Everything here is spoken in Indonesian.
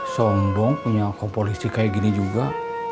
sombong punya kompor listrik kayak gini juga